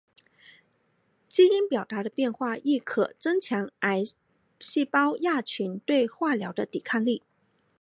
基因表达的变化亦可增强癌细胞亚群对化疗的抵抗力。